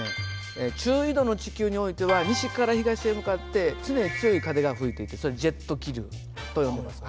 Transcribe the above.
中緯度の地球においては西から東へ向かって常に強い風が吹いていてそれジェット気流と呼んでいます。